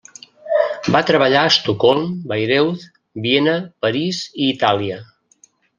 Va treballar a Estocolm, Bayreuth, Viena, París i Itàlia.